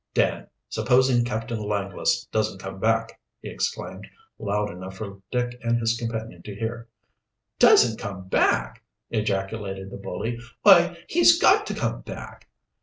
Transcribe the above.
"Dan, supposing Captain Langless doesn't come back," he exclaimed, loud enough for Dick and his companion to hear. "Doesn't come back!" ejaculated the bully. "Why, he's got to come back."